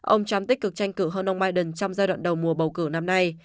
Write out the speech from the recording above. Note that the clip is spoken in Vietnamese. ông trump tích cực tranh cử hơn ông biden trong giai đoạn đầu mùa bầu cử năm nay